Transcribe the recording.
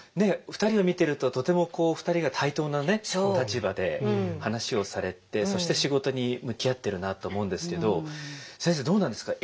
お二人を見てるととてもお二人が対等なお立場で話をされてそして仕事に向き合ってるなと思うんですけど先生どうなんですか？